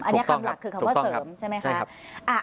อันนี้คำหลักคือคำว่าเสริมใช่ไหมคะ